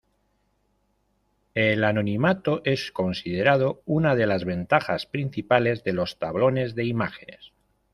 El anonimato es considerado una de las ventajas principales de los tablones de imágenes.